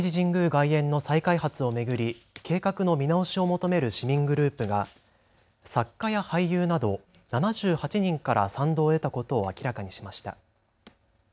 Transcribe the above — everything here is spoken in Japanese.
外苑の再開発を巡り計画の見直しを求める市民グループが作家や俳優など７８人から賛同を得たことを明らかにしました。